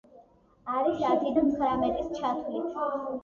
არის ათიდან ცხრამეტის ჩათვლით.